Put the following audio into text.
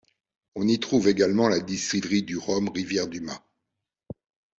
On y trouve également la distillerie du Rhum Rivière du Mât.